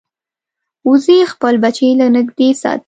وزې خپل بچي له نږدې ساتي